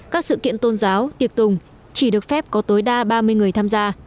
các sự kiện tôn giáo tiệc tùng chỉ được phép có tối đa ba mươi người tham gia